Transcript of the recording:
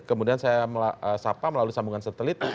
kemudian saya sapa melalui sambungan satelit